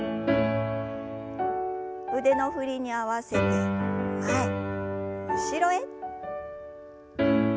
腕の振りに合わせて前後ろへ。